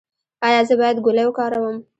ایا زه باید ګولۍ وکاروم؟